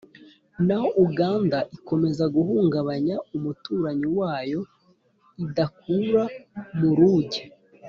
naho uganda ikomeza guhungabanyi umuturanyi wayo idakura mu ruge